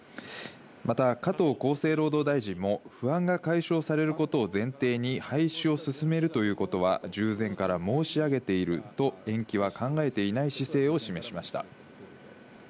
また加藤厚生労働大臣も不安が解消されることを前提に廃止を進めるということは、従前から申し上げていると延期は考えていない姿勢を示しました。